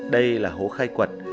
đây là hố khai quật